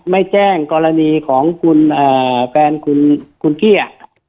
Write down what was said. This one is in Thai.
ไม่แจ้งกรณีของคุณแฟนคุณกี้